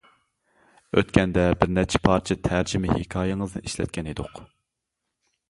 ئۆتكەندە بىر نەچچە پارچە تەرجىمە ھېكايىڭىزنى ئىشلەتكەن ئىدۇق.